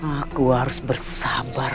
aku harus bersabar